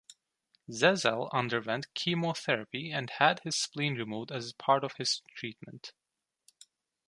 Zezel underwent chemotherapy and had his spleen removed as part of his treatment.